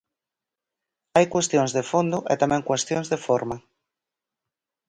Hai cuestións de fondo e tamén cuestións de forma.